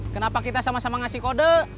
kenapa kita sama sama ngasih kode